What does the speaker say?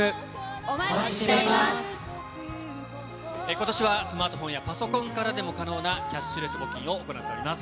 ことしはスマートフォンやパソコンからでも可能な、キャッシュレス募金を行っております。